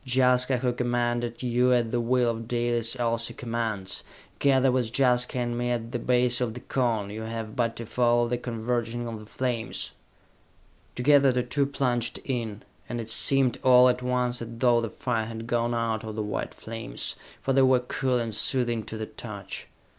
Jaska, who commanded you at the will of Dalis, also commands. Gather with Jaska and me at the base of the Cone! You have but to follow the converging of the flames!" Together the two plunged in, and it seemed all at once as though the fire had gone out of the white flames, for they were cool and soothing to the touch.